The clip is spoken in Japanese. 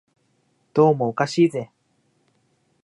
どうもおかしいぜ